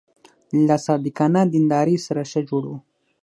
له صادقانه دیندارۍ سره ښه جوړ و.